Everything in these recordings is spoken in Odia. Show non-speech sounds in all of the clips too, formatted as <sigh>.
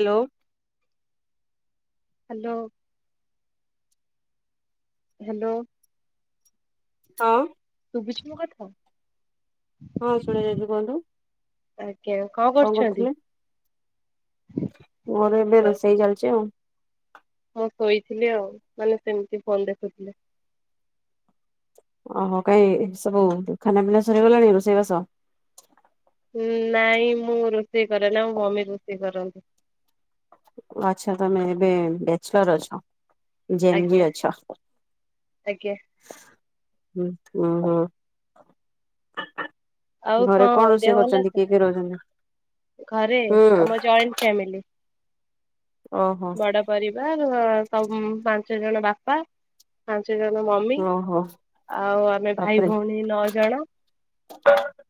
ହାଲୋ। ହାଲୋ। ହାଲୋ। ହଁ। ଶୁଭୂଚି ମୋ କଥା? ହଁ ଶୁଣା ଯାଉଛୁ କୁହନ୍ତୁ। ଆଜ୍ଞା କଣ କରୁଛନ୍ତି? କରୁଥିଲେ? ମୋର ଏବେ ରୋଷେଇ ଚାଲିଛି ଆଉ। ମୁଁ ଶୋଇଥିଲି ଆଉ ମାନେ ସେମିତି ଫୋନ ଦେଖୁଥିଲି। ଓହୋ କାହିଁ ସବୁ ଖାନା ପିନା ସରିଗଲାଣି ରୋଷେଇବାସ? ନାଇଁ ମୁଁ ରୋଷେଇ କରେ ନା ମୋ ମମି ରୋଷେଇ କରନ୍ତି। ଆଚ୍ଛା ତମେ ଏବେ ବେଚଲର ଅଛ। ଜେନରି ଆଜ୍ଞା ଅଛ। ଆଜ୍ଞା ହଁ ହଁ ହଁ। ଆଉ ଘରେ କଣ ଦେହ ରୋଷେଇ ଭଲ କରୁଛନ୍ତି ଅଛି କିଏ ନା? କିଏ ରହୁଛନ୍ତି? ଘରେ ହୁଁ ଆମର ଜଏଣ୍ଟ ଫ୍ୟାମିଲି। ଓହୋ ବଡ ପରିବାର ସମ ପାଞ୍ଚ ଜଣ ବାପା। ପାଞ୍ଚ ଜଣ ମମି ଓହୋ ଆଉ ଆମେ ଭାଇ, ବାପରେ ଭଉଣୀ ନଅ ଜଣ।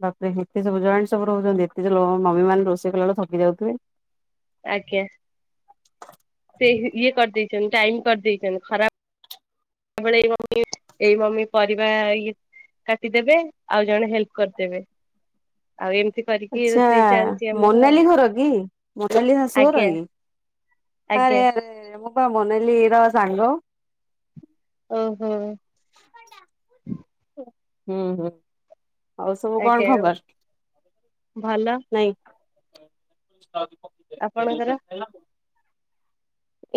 ବାପରେ ଏତେ ସବୁ ଜଏଣ୍ଟ ସବୁ ରହୁଛନ୍ତି ଏତେ <unintelligible> ମମି ମାନେ ରୋଷେଇ କଲା ବେଳେ ଥକି ଯାଉଥିବେ। ଆଜ୍ଞା। ସେ ଇଏ କରିଦେଇଛନ୍ତି ଟାଇମ କରିଦେଇଛନ୍ତି ଖରା ଖରାବେଳେ ଏଇ ମମି ଏଇ ମମି ପରିବା ଇଏ। କାଟିଦେବେ ଆଉ ଜଣେ ହେଲ୍ପ କରିଦେବେ। ଆଉ ଏମିତି କରିକି ଆଚ୍ଛା। ରୋଷେଇ ଚାଲିଛି ଆମର ଆଉ ମୋନାଲି ଘର କି ମୋନାଲି ଶାଶୁ ଆଜ୍ଞା ଘର କି? ଆରେ ଆଜ୍ଞା ଆରେ ଆରେ ମୁଁ ପା ମୋନାଲିର ସାଙ୍ଗ। ଓହୋ ହୁଁ ହୁଁ। ଆଉ ସବୁ କଣ ଆଜ୍ଞା ଖବର? ଭଲ। ନାଇଁ। ଆପଣଙ୍କର?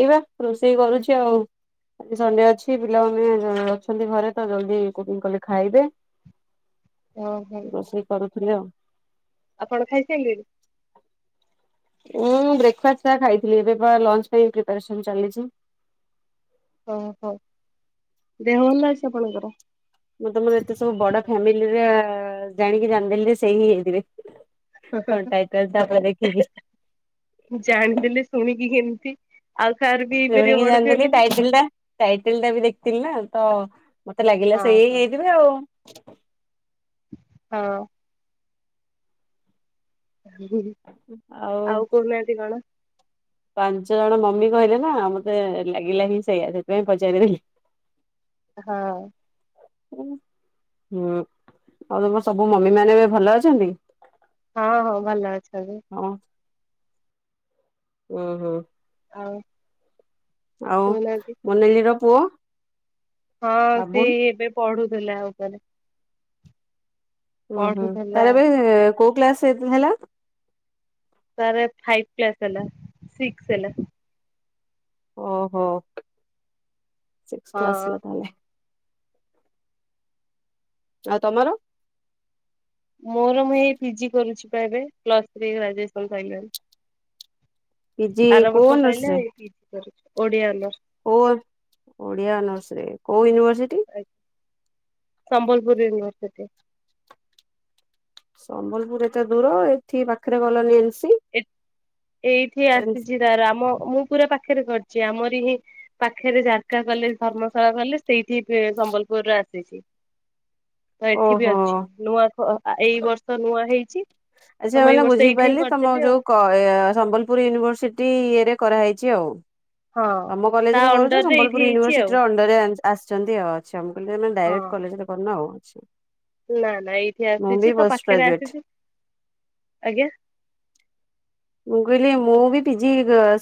ଏଇ ବା ରୋଷେଇ କରୁଚି ଆଉ। ଆଜି ସଣ୍ଡେ ଅଛି ପିଲାମାନେ ଅଛନ୍ତି ଘରେ ତ ଜଲଦି କୁକିଂ କଲେ ଖାଇବେ। ଓହୋ ରୋଷେଇ କରୁଥିଲି ଆଉ। ଆପଣ ଖାଇସାଇଲେଣି? ମୁଁ ବ୍ରେକ୍ଫାଷ୍ଟ ଖାଇଥିଲି। ଏବେ ପା ଲଞ୍ଚ ପାଇଁ ପ୍ରିପାରେସନ୍ ଚାଲିଚି। ଓହୋ। ଦେହ ଭଲ ଅଛି ଆପଣଙ୍କର? ମୁଁ ତମର ଏତେ ସବୁ ବଡ ଫ୍ୟାମିଲିରେ ଜାଣିକି ଜାଣିଦେଲି ଯେ ସେଇ ହିଁ ହେଇଥିବେ। ହଁ ଟାଇଟେଲ ତାପରେ ଦେଖିକି ଜାଣିଦେଲି ଶୁଣିକି ଏମତି। ଆଉ କାହାର ବି ଶୁଣିକି ହେଇପାରିବ ବଡ ଫ୍ୟାମିଲି। <unintelligible> ଟାଇଟେଲ ବି ଦେଖିଥିଲି ନା, ତ ମତେ ଲାଗିଲା ହଁ ସେଇ ହିଁ ହଁ ହେଇଥିବେ ଆଉ। ହଁ। ଆଉ କହୁନାହାନ୍ତି କଣ? ପାଞ୍ଚ ଜଣ ମମି କହିଲେ ନା, ମତେ ଲାଗିଲା ହିଁ ସେଇଆ, ସେଥିପାଇଁ ପଚାରିଦେଲି। ହଁ। <unintelligible> ହୁଁ। ଆଉ ତମର ସବୁ ମମି ମାନେ ଏବେ ଭଲ ଅଛନ୍ତି? ହଁ ହଁ ଭଲ ଅଛନ୍ତି। ହଁ। ଉଁ ହୁଁ। ଆଉ ଆଉ କହୁନାହାନ୍ତି ମନାଲିର ପୁଅ ହଁ ସେ ବାବୁନ ଏବେ ପଢୁଥିଲା ଉପରେ। ଉଁ ହୁଁ। ପଢୁଥିଲା ତାର ଏବେ କୋଉ କ୍ଲାସ ହେଲା? ତାର ଫାଇପ୍ କ୍ଲାସ୍ ହେଲା, ସିକ୍ସ ହେଲା। ଓହୋ। ସିକ୍ସ କ୍ଲାସ୍ ହଁ ହେଲା ତାହେଲେ। ଆଉ ତମର? ମୋର ମୁଁ ଏଇ ପିଜି କରୁଚି ପା ଏବେ। ପ୍ଲସ୍ ଥ୍ରୀ ଗ୍ରାଜୁଏସନ ସଇଲାଣି। ପିଜି ଆର କୋଉ ବର୍ଷ ସଇଲା। ଅନର୍ସରେ? ପିଜି କରୁଚି ଓଡିଆ ଅନର୍ସ। କୋଉ ଓଡିଆ ଅନର୍ସରେ। କୋଉ ୟୁନିଭର୍ସିଟି? ସମ୍ବଲପୁର ୟୁନିଭର୍ସିଟି। ସମ୍ବଲପୁର ଏତେ ଦୂର ଏଠି ପାଖରେ ଗଲନି ଏନ୍ସି। ଏ ଏଇଠି ଆସିଚି ତାର। ଆମ ମୁଁ ପୁରା ପାଖରେ କରିଚି। ଆମରି ହିଁ ପାଖରେ ଜାରକା କଲେଜ୍ ଧର୍ମଶାଳା କଲେଜ୍ ସେଇଠି ସମ୍ବଲପୁରର ଆସିଚି। ତ ଏଠି ବି ଓହୋ ଅଛି। ନୂଆ ଏଇ ବର୍ଷ ନୂଆ ହେଇଚି। ଆଚ୍ଛା ମାନେ ବୁଝିପାରିଲି ତମ ଯୋଉ ସମ୍ବଲପୁର ୟୁନିଭରସିଟି ଇଏ ରେ କରାହେଇଚି ଆଉ। ହଁ ତମ ତା କଲେଜରେ କରୁଚ ଅଣ୍ଡର ରେ ଏଇଠି ସମ୍ବଲପୁର ହେଇଛି ଆଉ ୟୁନିଭରସିଟି ର ଅ ଅଣ୍ଡର ରେ ଆସିଛନ୍ତି ଆଉ। ଆଚ୍ଛା ମୁଁ କହିଲି ତମେ ଡାଇରେକ୍ଟ ହଁ। କଲେଜରେ କରିନ ଆଉ। ନା ନା ଏଇଠି ମୁଁ ବି ଆସିଚି ତ ପୋଷ୍ଟ ପାଖରେ ଗ୍ରାଜୁଏଟ। ଆସିଚି। ଆଜ୍ଞା। ମୁଁ କହିଲି ମୁଁ ବି ପିଜି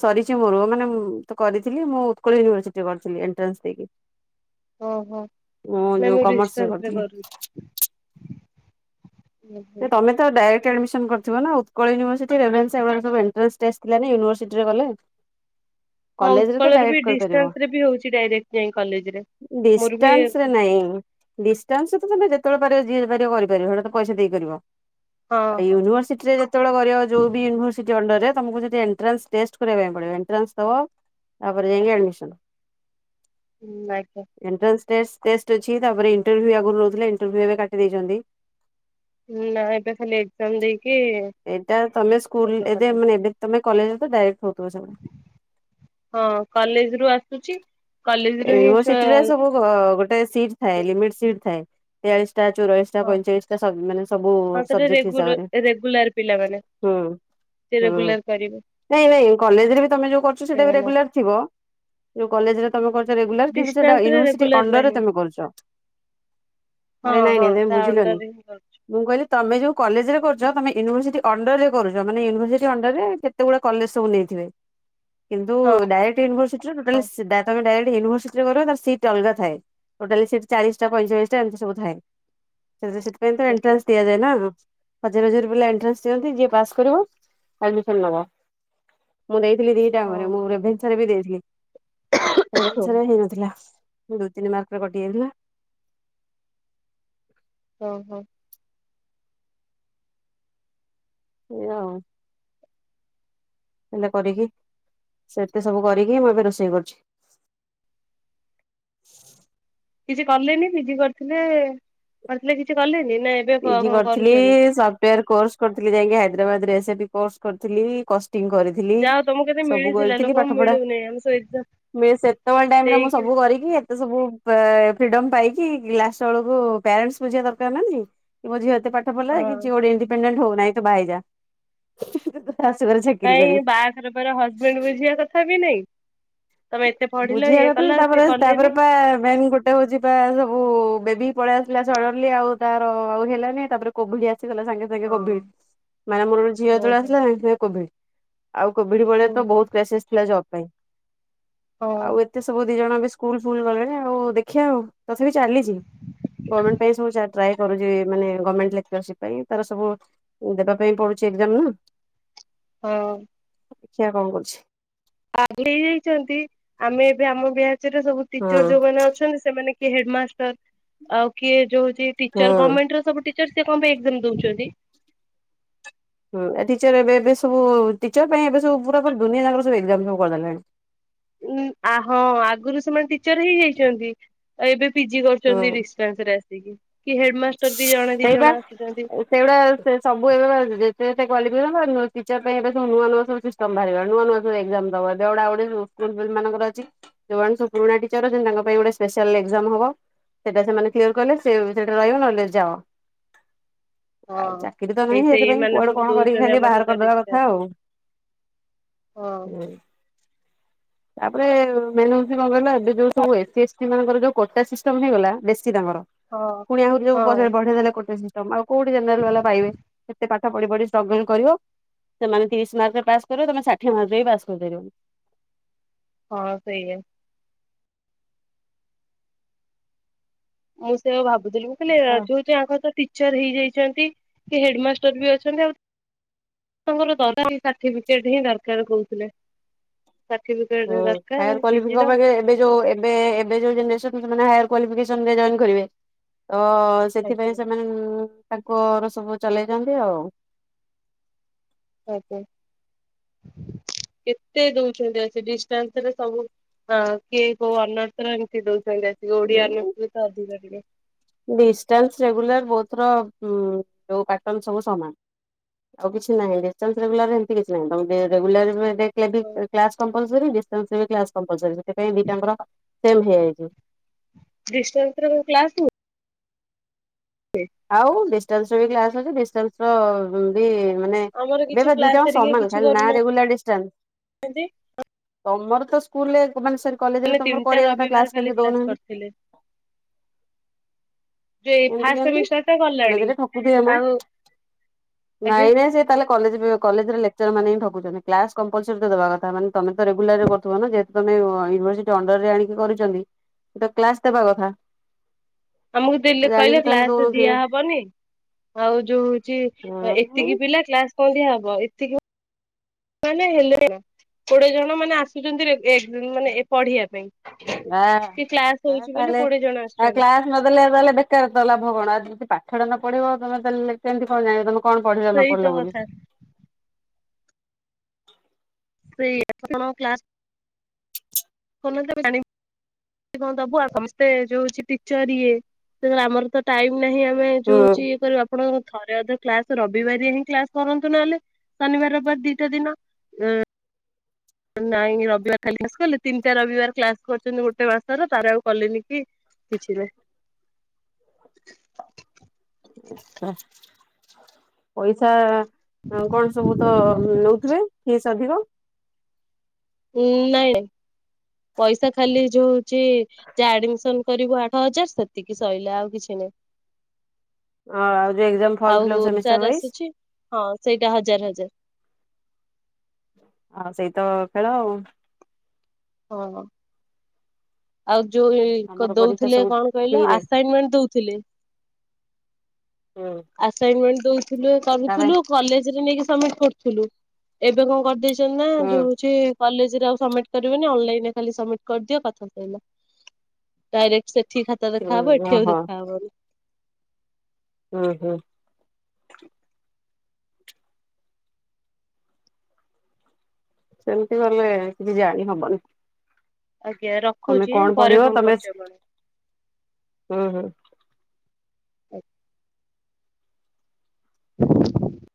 ସରିଚି ମୋର। ମାନେ ମୁଁ ତ କରିଥିଲି ମୁଁ ଉତ୍କଳ ୟୁନିଭରସିଟି ରେ କରିଥିଲି ଏନ୍ଟ୍ରାନ୍ସ ଦେଇକି। ଓହୋ। ନାଇ ଯୋଉ ମୁଁ କମର୍ସରେ ଡିଷ୍ଟାନ୍ସ ରେ କରିଥିଲି। କରୁଚି। ଯେ ତମେ ତ ଡାରେକ୍ଟ ଆଡମିସନ କରିିଥିବ ନା। ଉତ୍କଳ ୟୁନିଭର୍ସିଟି ରେଭେନ୍ସା ଏଗୁଡାକ ସବୁ ଏନ୍ଟ୍ରାନ୍ସ ଥିଲା ୟୁନିଭର୍ସିଟିରେ କଲେ। ହଁ କଲେଜରେ ତ ଉତ୍କଳରେ ଡାଇରେକ୍ଟ ବି କରିପାରିବ ଡିଷ୍ଟାନ୍ସ ରେ ବି ହଉଚି ଡାଇରେକ୍ଟ ଯାଇ କଲେଜରେ। ମୋର ବି ଡିଷ୍ଟାନ୍ସରେ ନାଇଁ ଡିଷ୍ଟାନ୍ସ ରେ ତମେ ଯେତେବେଳେ ପାରିବ ଯିଏ ପାରିବ କରିପାରିବ। ସେଇଟା ତ ପଇସା ଦେଇ କରିବ। ହଁ ହଁ ୟୁନିଭର୍ସିଟିରେ ଯେତବେଳେ କରିବ ଯୋଉ ବି ଉନିଭର୍ସିଟି ଉଣ୍ଡର ରେ ତମକୁ ଯଦି ଏଣ୍ଟରାନ୍ସ ଟେଷ୍ଟ କରିବା ପାଇଁ ପଡିବ ଏଣ୍ଟ୍ରରାସ ଦବ ତାପରେ ଯାଇଙ୍କି ଆଡ଼ମିସନ୍। ହୁଁ <unintelligible> ଏଣ୍ଟରାନ୍ସ ଟେଷ୍ଟ ଟେଷ୍ଟ ଅଛି ତାପରେ ଇଣ୍ଟରୁଭ ଆଗରୁ ନେଉଥିଲେ ଇଣ୍ଟରୁବ ଏବେ କାଟି ଦେଇଛନ୍ତି। ନା ଏବେ ଖାଲି ଏକ୍ଜାମ ଦେଇକି ଏଇଟା ତମେ ସ୍କୁଲ ଏବେ କଲେଜ ମାନେ ଏବେ ତମେ କଲେଜ ତ ଡାଇରେକ୍ଟ ହଉଥିବ ସବୁ। ହଁ କଲେଜ ରୁ ଆସୁଛି କଲେଜ ରୁ ହିଁ ଛୁଆ କୁହ ଗୋଟେ ସି୍ଟ୍ ଥାଏ ଲିମିଟ୍ ସିଟ ଥାଏ ତେୟାଳିସିଟା ଚଉରାଳିସି ହଁ ପଇଁଚାଳିଶ ଟା ମାନେ ସବୁ ସବଜେକ୍ଟ ହିସାବରେ। ରେଗୁଲାର୍ ପିଲାମାନେ ହୁଁ ସେ ହୁଁ ହୁଁ ରେଗୁଲାର କରିବେ ନାଇଁ ନାଇଁ କଲେଜରେ ବି ତମେ ଯୋଉ କରୁଛ ସେଇଟା ବି ସେମାନେ ରେଗୁଲାର ଥିବ। ଯୋଉ କଲେଜ ରେ ତମେ କରୁଛ ରେଗୁଲାର କିନ୍ତୁ ସେଟା ଡିଷ୍ଟାନ୍ସ ରେ ୟୁନିଭରସିଟି ରେଗୁଲାର ଅଣ୍ଡର ରେ ନାହିଁ ତମେ କରୁଛ। ହଁ ଆରେ ନାଇଁ ହଁ ନାଇଁ ତମେ ତା ବୁଝିଲନି ଅଣ୍ଡରରେ ହିଁ କରୁଛି ମୁଁ କହିଲି ତମେ ଯୋଉ କଲେଜରେ କରୁଛ ତମେ ୟୁିନିଭରସିଟି ଅଣ୍ଡର ରେ କରୁଛ ମାନେ ୟୁିନିଭରସିଟି ଅଣ୍ଡରରେ କେତେ ଗୁଡାଏ କଲେଜ ସବୁ ନେଇଥିବେ। କିନ୍ତୁ ହଁ ଡ଼ାଇରେକ୍ଟ ୟୁିନିଭରସିଟି ରେ ଟୋଟାଲି ହଁ ସି ତମେ ଡାଇରେକ୍ଟ ୟୁନିଭରସିଟି ରେ କରିବା ତାର ସିଟ୍ ଅଲଗା ଥାଏ ଟୋଟାଲ ସିଟ ଚାଳିଶ ଟା ପଇଁଚାଳିଶ ଟା ଏମିତି ସବୁ ଥାଏ ସେଥିରେ ସେଥିରେ ଓକେ ଏଣ୍ଟ୍ରାନ୍ସ ଦିଆଯାଏ ନା ହଯାର ହଯାର ସବୁ ପିଲା ଏଣ୍ଟ୍ରାନସ୍ ଦିଅନ୍ତି ଯିଏ ପାସ କରିବ ଆଡମିଶନ୍ ନବ ମୁଁ ଦେଇ ଥିଲି ଦିଟାଙ୍କରେ ହଁ ମୁଁ ରେଭେନ୍ସା ରେ ବି ଦେଇଥିଲି ରେଭେନ୍ସା ରେ ହେଇନଥିଲା। ଦୁଇ ତିନି ମାର୍କରେ କଟିଯାଇଥିଲା। ଓହୋ। ଏଇଆଉ। ଏରା କରିକି ସେବେ ସବୁ କରିକି ମୁଁ ଏବେ ରୋଷେଇ କରୁଛି। କିଛି କଲେନି ପିଜି କରିଥିଲେ କରିଥିଲେ କିଛି କଲେନି ନା ଏବେ ପିଜି କଣ କରିଥିଲି କରୁଛନ୍ତି? ସ ସଫ୍ଟୱାର୍ କୋର୍ସ କରିଥିଲି ଯାଇକି ହାଇଦ୍ରାବାଦ ରେ ଏସ ପି କୋର୍ସ କରିଥିଲ କଷ୍ଟିଙ୍ଗ କରି ଯାହା ହୋଊ ତମକୁ ଏତେ ମିଳିଥିଲା ଲୋକଙ୍କୁ ମିଳୁନି ଆମ ସହିତ ମେ ସେତେବେଳ ଟାଇମ ରେ ମୁଁ ସବୁ କରିକି ତ ସବୁ ପା ଫ୍ରିଡମ ପାଇକି ଲାଷ୍ଟ ବେଳକୁ ପ୍ୟାରେଣ୍ଟସ ବୁଝିବା ଦରକାର ନାଁ ନାଇଁ। କି ମୋ ଝିଅତେ ପାଠ ପଢା ହଁ କିଛି ଗୋଟେ ଇଡିପେଣ୍ଡେଣ୍ଟ ହଉନାହିଁ ତୁ ବାହା ହେଇ ଯା ଶାଶୁଘରେ ସିକ୍ କାଇଁ ବାହାଘର ପରେ ହଜବେଣ୍ଡ ବୁଝିବା କଥା କି ନାଇଁ। ତମେ ଏତେ ପଢିଲ ବୁଝିବା ଇଏ କଥା ଯେ କଲ ସିଏ ତାପରେ ତାପରେ କଲେନି ପା ମେନ୍ ଗୋଟ ଗୋଟେ ହଉଛି ପା ସବୁ ବେବି ପଳେଇ ଆସିଲା ସଡନଲି ଆଉ ତାର ଆଉ ହେଲାନି ତାପରେ କୋଭଡ୍ ଆସିଗଲା ସାଙ୍ଗେ ସାଙ୍ଗେ ହଁ କୋଭିଡ ମାନେ ମୋର ଗୋଟେ ଝିଅ ଯେତୋବେଳେ ଓହୋ ଆସିଲା ସାଙ୍ଗେ ସାଙ୍ଗେ କୋଭିଡ ଆଉ କୋଭିଡ ବେଳେ ତ ଓହୋ ବହୁତ ପସେସ୍ ଥିଲା ଜବ୍ ପାଇଁ। ହଁ ଆଉ ଏତେ ସବୁ ଦି ଜଣ ବି ସ୍କୁଲ ଫୁଲ ଗଲେଣି ଆଉ ଦେଖିଆ ଆଉ ତଥାପି ଚାଲିଛି। ଗର୍ଣ୍ଣମେଣ୍ଟ ପାଇଁ ସବୁ ଚାଟ୍ ଟ୍ରାଏ କରୁଛି ମାନେ ଗମେଣ୍ଟ ଲେକ୍ଚରସିପ ପାଇଁ ତାର ସବୁ ଦେବା ପାଇଁ ପଡୁଛି ଏକଜାମ ନା। ହଁ। ଦେଖିଆ କଣ କରୁଛି। ଆଲେ ହେଇଯାଇଛନ୍ତି ଆମେ ଏବେ ଆମ ବିଆଚ୍ ରେ ସବୁ ହଁ ଟିଚର ଯୋଉମାନେ ଅଛନ୍ତି ସେମାନେ କିଏ ହେଡମାଷ୍ଟର ଆଉ କିଏ ଯୋଉ ହୋଉଚି ଟିକଚର ହଁ। ଗମେଣ୍ଟର ସବୁ ଟିକ ସାର୍ ସେ କଣ ପାଇଁ ଏକ୍ଜାମ ଦଉଛନ୍ତି। ହୁଁ ଟିଚର ଏବେ ଏବେ ସବୁ ଟିଚର ପାଇଁ ଏବେବୁୁରା ପୁରା ଦୁନିଆ ଜାଗ ସବୁକ୍ଜାମ ସବୁ କରିଦେଲାଣି। ଉଁ ଆ ହଁ ଆଗରୁ ସେମାନେ ଟିଚର ହେଇଯାଇଛନ୍ତି ଏବେ ପିଜି ହଁ କରୁଛନ୍ତି ଡିସ ଡିଷ୍ଟାନସ୍ ରେ ଆସିକି କି ହେଡମାଷ୍ଟର ବି ଜଣେ ଦି ଜଣ ଆସୁଛନ୍ତି। ସେଇଗୁଡା ସେ ସବୁ ଏବେପା ଯେତ ଯେତେ କ୍ୱାଲିଫ କେଶନ ବାହାରୁ ଟିକଚର ପାଇଁ ଏବେ ସବୁ ନୂଆ ନୂଆ ସବୁ ସମ୍ଭାଳିବା ନୁଆ ନୂଆ ସବୁ ଏକ୍ଜ୍ଜାମ୍ ଦବ ଏବେ ଗୋଟେ ଆଉ ଗୋଟେ ଯୋଉ ସ୍କୁଙ୍କର ମାନଙ୍କ ର ଅଛି ଜଉମାନେ ସବୁ ପୁରୁଣା ଟିଚର ଅଛନ୍ତି ତାଙ୍କ ପାଇଁ ଗୋଟେ ସ୍ପେଶାଲା ଏକଜାମ୍ ହବ। ସେଟା ସେମାନେ କ୍ଲିଅର୍ କଲେ ସେ <unintelligible> ରହିବ ନହେଲେ ଯାଅ। ହଁ ଆଇ ଚାକିରି ତ ସେଇ ନାହିଁ ହେଥିପାଇଁ ସେଇମାନେ କୁଆଡ ସବୁ କଣ କରିକି ଦଉଛନ୍ତି ଖାଲି ଆମ ବାହାର ସହିତ କରିଦବା ଡିଷ୍ଟାନ୍ସ କଥା ଆଉ। ହଁ। ହୁଁ ତାପରେ ମେନ୍ ହଉଚି କଣ୍ କହିଲ ଏବେ ଯଉ ସବୁ ଏସ୍ ଏସ୍ ଟି ମାନଙ୍କର ଯଉ କୋଟା ସିଷ୍ଟମ୍ ହେଇଗଲା ବେଶୀ ତାଙ୍କର ହଁ। ପୁଣି ଆହୁରୁ ଯଉ ହଁ ବଢେଇ ଦେଲେ କୋଟା ସି ତମେ ଆଉ କଉଠି ଜେନେରାଲ୍ ବାଲା ପାଇବେ ଏତେ ପାଠ ପଢି ପଢି ଷ୍ଟ୍ରଗଲ୍ କରିବ ସେମାନେ ତିରିଶ୍ ମାର୍କରେ ପାସ୍ କରିବେ ତମେ ଷାଠିଏ ମାର୍କରେ ବି ପାସ୍ କରିପାରିବନି। ହଁ ସେଇଆ। ମୁଁ ବା ସେଇଆ ଭାବୁଥିଲି ମୁଁ କହଲି ହଁ ଏ-ଯଉଠି <unintelligible> ଟିଚର୍ ହେଇ ଯାଇଚନ୍ତି କିଏ ହେଡମାଷ୍ଟର୍ ବି ଅଛନ୍ତି ଆଉ ତାଙ୍କର ଦରକାରି ସାର୍ଟିଫିକେଟ୍ ହିଁ ଦରକାର୍ କହୁଥିଲେ। ସାର୍ଟିଫିକେଟ୍। ହୁଁ ହାଏର୍ କ୍ୱାଲିଫିକେସନ <unintelligible> ଏବେ ଯଉ ଏବେ- ଏ ଏ ଯଉ ଜେନେରେସନ୍ ସେମାନେ ହାୟର୍ କ୍ୱାଲିଫିକେସନ୍ ରେ ଜଏନ୍ କରିବେ ତ ଆଜ୍ଞା ସେଥିପାଇଁ ସେମାନେ ଉଁ- ତାଙ୍କର ସବୁ ଚଲେଇଚନ୍ତି ଆଉ। ଆଜ୍ଞା। କେତେ ଦଉଚନ୍ତି ଆ- ଡିଷ୍ଟାନ୍ସ୍ ରେ ସବୁ ଆ- କିଏ କଉ ଅନର୍ <unintelligible> ଏମିତି ଦଉଚନ୍ତି ଆସିକି ଓଡିଆ ଅନର୍ସ ରେ ତ ଅଧିକା ଟିକେ ଡିଷ୍ଟାନ୍ସ୍ ରେଗୁଲାର୍ ବୋଥ୍ ର ଉଁ - ଯଉ ପାଟନ୍ ସବୁ ସମାନ୍। ଆଉ କିଛି ନାହିଁ ଡିଷ୍ଟାନ୍ସ୍ ରେଗୁଲାର୍ ଏମତି କିଛି ନାହିଁ ତମେ ରେ-ରେଗୁଲାର୍ ରେ <unintelligible> ଲେଗି କ୍ଲାସ୍ କମ୍ପଲ୍ସରି ଡିଷ୍ଟାନ୍ ରେ ବି କ୍ଲାସ୍ କମ୍ପଲ୍ସରି ସେଥିପାଇଁ ଦି ଟା ଯାଁକର ସେମ୍ ହେଇଯାଇଚି। ଡିଷ୍ଟାନ୍ସ୍ ରେ ଯଉ କ୍ଲାସ୍ ହୁଏ <inaudible> ଆଉ ଡିଷ୍ଟାନ୍ସ୍ ର ବି କ୍ଲାସ୍ ଅଛି ଡିଷ୍ଟାନ୍ସ୍ ର ଉଁ -ବି ମାନେ ଆମର ଏବେ କିଛି ପା କ୍ଲାସ ଦିଟାଙ୍କ ହେରିକା ସମାନ୍ କିଛି ଖାଲି ନା କରୁନାହାନ୍ତି। Regular distance. ତମର ତ ସ୍କୁଲରେ ମାନେ ସରି କଲେଜ୍ ରେ ମାନେ ତମର ତିନିଟା କରିବା କଥା ରବିବାର କ୍ଲାସ୍ ଖାଲି କେମତି କ୍ଲାସ ଦଉନାହାନ୍ତି? କରିଥିଲେ। ଯେ ଫାଷ୍ଟ୍ ସେମିଷ୍ଟାର୍ କଲେଜ୍ ରେ ଠକୁ ଥିବେ ମ ଆଜ୍ଞା ନାଇଁରେ ସେ ତାହାଲେ କଲେଜ୍ ବି-କଲେଜ୍ ର ଲେକ୍ଚର୍ ମାନେ ହିଁ ଠକୁଚନ୍ତି କ୍ଲାସ୍ କମ୍ପଲ୍ସରି ତ ଦବା କଥା ମାନେ ତମେ ତ ରେୁଲଲାର୍ ରେ କରୁଥିବ ନା ଯେହେତ୍ ତମେ ଅ-ୟୁନିଭର୍ସିଟି ଅଣ୍ଡର୍ ରେ ଆଣିକି କରିଚନ୍ତି ତ କ୍ଲାସ୍ ଦବା କଥା। ଆମକୁ ଦେଲେ କହିଲେ ଜାଣିକି ତାହେଲେ କ୍ଲାସ୍ ରେ ଦଉନଥିବେ ଦିଆହବନି ଆଉ ଯଉ ଯେ ହଁ ଏତିକି ପିଲା କ୍ଲାସ୍ କରି ହବ ଏତିକି ମାନେ ହେଲେ କୋଡିଏ ଜଣ ମାନେ ଆସୁଚନ୍ତି ରେ-ଏ- ମାନେ ଏ-ପଢିବା ପାଇଁ। <unintelligible> କି କ୍ଲାସ କ୍ଲାସ୍ ହଉଛି ବୋଲି କୋଡିଏ ଜଣ ଆସୁଛନ୍ତି। ନଦେଲେ ଆଉ ତାହେଲେ ବେକାର ତ ଲାଭ କଣ ଆଜି ଯଦି ପାଠଟା ନ ପଢିବ ତମେ ଦେଲେ କେମିତି କଣ ଜାଣିବ ତମକୁ କଣ ପଢିଲ ନ ସେଇ ତ ପଢିଲ ବୋଲି। କଥା ସେଇଆ ଆପଣଙ୍କ କ୍ଲାସ୍ <unintelligible> ଯଉ ଟିଚର୍ ଇଏ ଆମର ତ ଟାଇମ୍ ନାହିଁ ଆମେ ଯଉ ହଉଚି ହୁଁ ଇଏ କରୁ ଆପଣ ଥରେ ଅଧେ କ୍ଲାସ୍ ରବିବାରିଆ ହିଁ କ୍ଲାସ୍ କରନ୍ତୁ ନହେଲେ। ଶନିବାର୍ ରବିବାର୍ ଦିଟା ଦିନ ଉଁ- ନାଇଁ ରବିବାର୍ ଖାଲି <unintelligible> ତିନିଟା ରବିବାର କ୍ଲାସ୍ କରିଚନ୍ତି ଗୋଟେ ମାସର ତାପରେ ଆଉ କଲେନି କି କିଛି ନାହିଁ। ଆଛା ପଇସା ହଁ- କଣ୍ ସବୁ ତ ନଉଥିବେ ଫିସ୍ ଅଧିକ? କି ନାଇଁ ପଇସା ଖାଲି ଯଉ ହଉଚି ଯିଏ ଆଡ଼ମିଶନ୍ କରିବ ଆଠ ହଜାର୍ ସେତିକି ସଇଲା ଆଉ କିଛି ନାହିଁ। ହଁ ଆହୁରି ଏକ୍ଜାମ୍, ଫର୍ମଫିଲପ୍, ଆଉ ସେମିଷ୍ଟାର୍ ଯାହାର ୱାଇସ୍ ଆସୁଛି ହଁ ସେଇଟା ହଜାର୍ ହଜାର୍। ଆଉ ସେଇତ ଖେଳ ଆଉ। ଓହୋ ଆଉ ଯୋଉ ପିଙ୍କ ଆମର ପରୀକ୍ଷା ଦଉଥିଲେ ସବୁ କଣ କହିଲ ଫ୍ରିରେ ଆସାଇନମେଣ୍ଟ ଦଉଥିଲେ। ହୁଁ। ଆସାଇନମେଣ୍ଟ ଦଉଥିଲୁ ତା ପାଇଁ କରୁଥିଲୁ କଲେଜରେ ନେଇକି ସମିଟ୍ କରୁଥିଲୁ ଏବେ କଣ କରିଦେଇଚି ନ୍ତିନା ହୁଁ ଯୋଉଯେ କଲେଜରେ ଆଉ ସମିଟ୍ କରିବନି ଅନଲାଇନିରେ ଖାଲି ସମିଟ୍ କରିଦିଅ କଥାସରିଲା। ଡାଇରେକ୍ଟ ସେଠି ଖାତା ହୁଁ ଦେଖାହବ ଏଠି ଆଉ ଓହୋ ଦେଖାହବନି। ହୁଁ ହୁଁ। ସେମିତି ଗଲେ କିଛି ଜାଣିହବନି। ଆଜ୍ଞା ରଖୁଚି ପରେ ପଢିବ ଫୋନ୍ କରୁଚି ଆପଣଙ୍କୁ। ହଁ ହଁ। ଆ <inaudible>